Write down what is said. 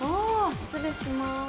失礼します。